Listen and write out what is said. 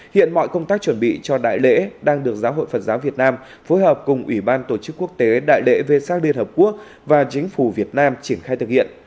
hiện mọi công tác chuẩn bị cho đại lễ đang được giáo hội phật giáo việt nam phối hợp cùng ủy ban tổ chức quốc tế đại lễ v sac liên hợp quốc và chính phủ việt nam triển khai thực hiện